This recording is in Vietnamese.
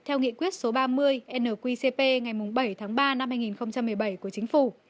theo nghị quyết số ba mươi nqcp ngày bảy tháng ba năm hai nghìn một mươi bảy của chính phủ